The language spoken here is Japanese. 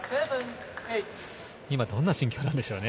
今どんな心境なんでしょうね。